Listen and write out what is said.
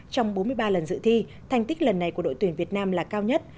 trong bốn mươi ba lần dự thi thành tích lần này của đội tuyển việt nam là cao nhất